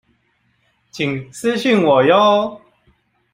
請私訊我唷